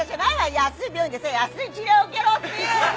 安い病院でさ安い治療受けろっていうの！